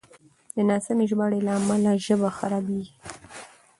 د ناسمې ژباړې له امله ژبه خرابېږي.